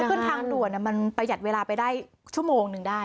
ขึ้นทางด่วนมันประหยัดเวลาไปได้ชั่วโมงนึงได้